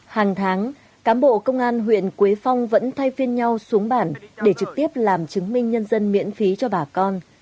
hàng tháng cán bộ công an huyện quế phong vẫn thay phiên nhau xuống bản để trực tiếp làm chứng minh nhân dân miễn phí cho bà con